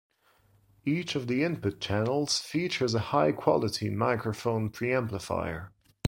Each of the input channels features a high-quality microphone preamplifier.